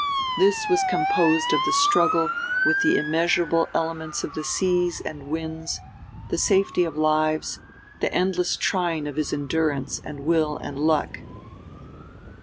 This was composed of the struggle with the immeasurable elements of the seas and winds, the safety of lives, the endless trying of his endurance and will and luck.